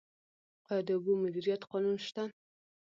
آیا د اوبو مدیریت قانون شته؟